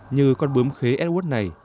như con bướm khế edward này